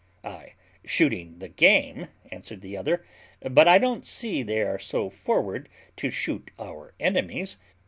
"Ay, shooting the game," answered the other; "but I don't see they are so forward to shoot our enemies.